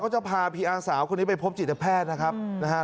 จะพาพีอาสาวคนนี้ไปพบจิตแพทย์นะครับนะฮะ